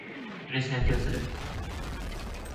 嬉し泣きをする